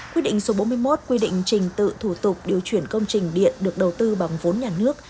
quy định số bốn mươi một quy định trình tự thủ tục điều chuyển công trình điện được đầu tư bằng vốn nhà nước